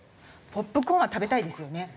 ポップコーンは食べたいですよね。